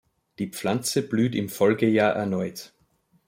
Die Pflanze blüht im Folgejahr erneut.